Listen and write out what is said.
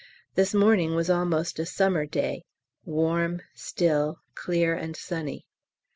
This morning was almost a summer day, warm, still, clear and sunny.